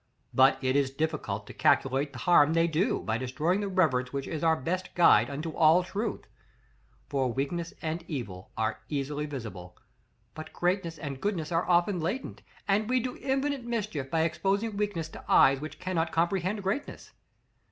But it is difficult to calculate the harm they do, by destroying the reverence which is our best guide into all truth; for weakness and evil are easily visible, but greatness and goodness are often latent; and we do infinite mischief by exposing weakness to eyes which cannot comprehend greatness.